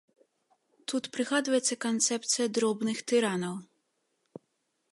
Тут прыгадваецца канцэпцыя дробных тыранаў.